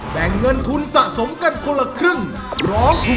และเงินทุนที่สะสมมาจะตกเป็นของผู้ที่ร้องถูก